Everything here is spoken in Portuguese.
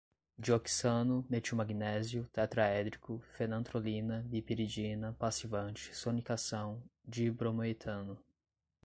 dioxano, metilmagnésio, tetraédrico, fenantrolina, bipiridina, passivante, sonicação, dibromoetano